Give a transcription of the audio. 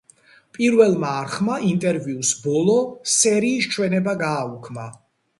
პირველმა არხმა ინტერვიუს ბოლო სერიის ჩვენება გააუქმა.